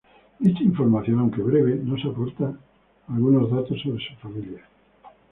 Dicha información, aunque breve, nos aporta algunos datos sobre su familia.